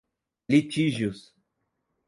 litígios